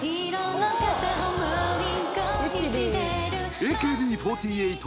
ＡＫＢ４８